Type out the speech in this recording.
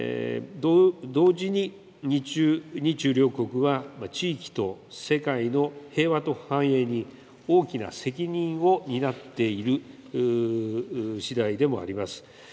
同時に、日中両国は地域と世界の平和と繁栄に大きな責任を担っているしだいでもあります。